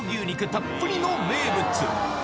たっぷりの名物。